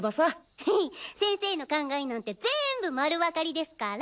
ヘヘ先生の考えなんて全部丸わかりですから。